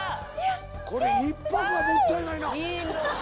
これ１泊はもったいないな。